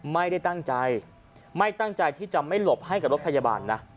ไม่ได้ตั้งใจไม่ตั้งใจที่จะไม่หลบให้กับรถพยาบาลนะ